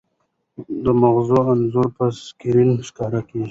د مغزو انځور په سکرین ښکاري.